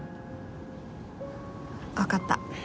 わかった。